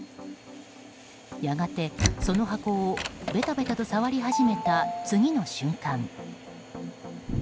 やがて、その箱をベタベタと触り始めた次の瞬間。